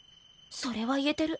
それは言えてる。